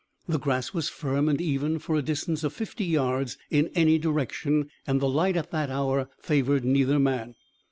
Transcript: The grass was firm and even for a distance of fifty yards in any direction, and the light at that hour favored neither man.